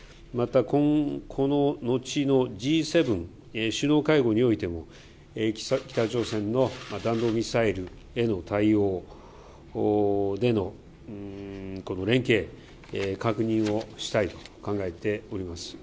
また、この後のＧ７・首脳会合においても、北朝鮮の弾道ミサイルへの対応での連携、確認をしたいと考えております。